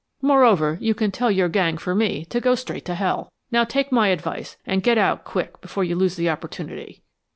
"Moreover, you can tell your gang for me to go straight to hell. Now, take my advice and get out quick before you lose the opportunity."